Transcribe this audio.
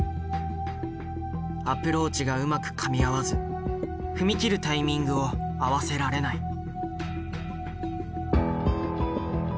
アプローチがうまくかみ合わず踏み切るタイミングを合わせられない。